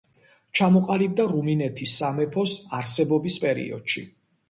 ჩამოყალიბდა რუმინეთის სამეფოს არსებობის პერიოდში.